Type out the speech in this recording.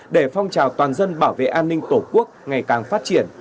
để phong trào toàn dân bảo vệ an ninh tổ quốc ngày càng phát triển